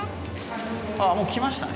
あっもう来ましたね。